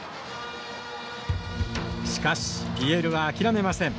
しかし、ＰＬは諦めません。